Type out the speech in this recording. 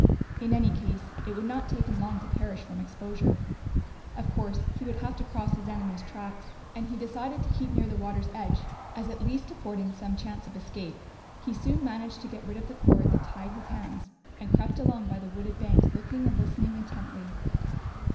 In any case it would not take him long to perish from exposure. Of course, he would have to cross his enemies' tracks and he decided to keep near the water's edge as at least affording some chance of escape. He soon managed to get rid of the cord that tied his hands and crept along by the wooded banks looking and listening intently.